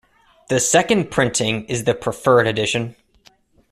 The second printing is the preferred edition.